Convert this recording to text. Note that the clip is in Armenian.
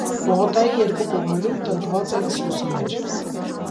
Պողոտայի երկու կողմերում տնկված են սոսիներ։